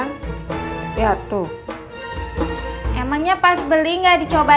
nah kan rumah apple memang nggak actuar